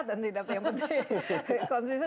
dan tidak ada yang penting